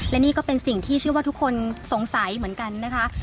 และนี่ก็เป็นสิ่งที่เชื่อว่าทุกคนสงสัยเหมือนกันนะคะ